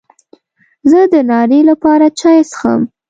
زه د ناري لپاره چای څښم.